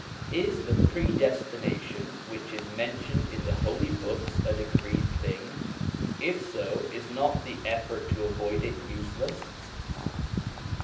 Is the predestination which is mentioned in the Holy Books a decreed thing? If so, is not the effort to avoid it useless